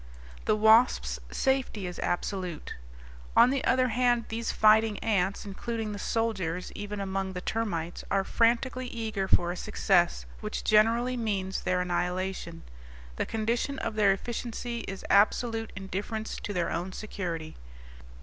The wasp's safety is absolute. On the other hand, these fighting ants, including the soldiers even among the termites, are frantically eager for a success which generally means their annihilation; the condition of their efficiency is absolute indifference to their own security.